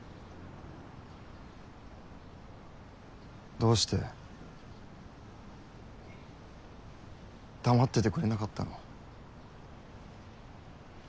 どうして黙っててくれなかったの？